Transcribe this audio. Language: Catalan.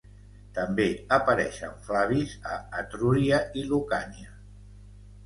També apareixen Flavis a Etrúria i Lucània.